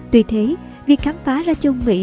tuy thế việc khám phá ra châu mỹ